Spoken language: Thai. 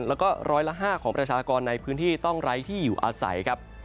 และ๑๐๐ละ๕๐๐ของประชากรในพื้นที่ต้องไร้ที่อยู่อาศัย